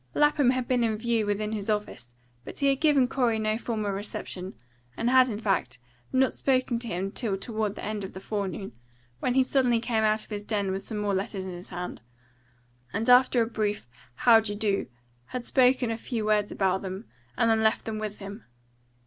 Lapham had been in view within his own office, but he had given Corey no formal reception, and had, in fact, not spoken to him till toward the end of the forenoon, when he suddenly came out of his den with some more letters in his hand, and after a brief "How d'ye do?" had spoken a few words about them, and left them with him.